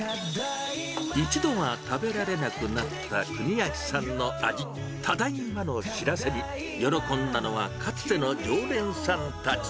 一度は食べられなくなった邦昭さんの味、ただいまの知らせに、喜んだのはかつての常連さんたち。